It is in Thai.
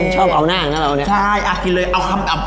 ชอบเอาหน้าของนั่งเล่าแล้วเนี้ยใช่อ้าวกินเลยเอาคำอ่ะ